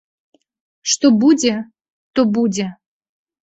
Што будзе, то будзе.